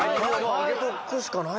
挙げとくしかない。